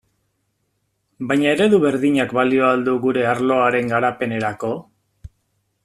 Baina eredu berdinak balio al du gure arloaren garapenerako?